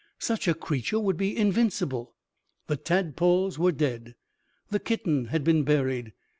Such a creature would be invincible. The tadpoles were dead. The kitten had been buried.